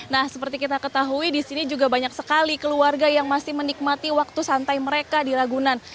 nah seperti kita ketahui di sini juga banyak sekali keluarga yang masih menikmati waktu santai mereka di ragunan